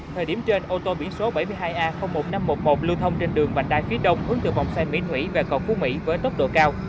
thời điểm trên ô tô biển số bảy mươi hai a một nghìn năm trăm một mươi một lưu thông trên đường vành đai phía đông hướng từ vòng xoay mỹ thủy về cầu phú mỹ với tốc độ cao